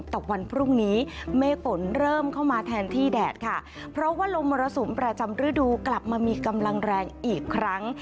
แต่วันพรุ่งนี้เมฆฝนเริ่มเข้ามาแทนที่แดดค่ะเพราะว่าลมมรสุมประจำฤดูกลับมามีกำลังแรงอีกครั้ง